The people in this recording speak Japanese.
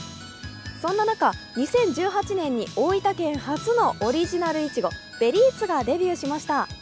そんな中、２０１８年に大分県初のオリジナルいちご、ベリーツがデビューしました。